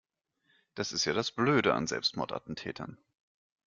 Das ist ja das Blöde an Selbstmordattentätern.